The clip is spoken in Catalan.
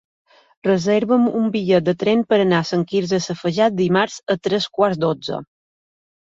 Reserva'm un bitllet de tren per anar a Sant Quirze Safaja dimarts a tres quarts de dotze.